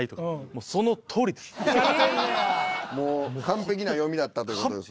もう完璧な読みだったという事ですね。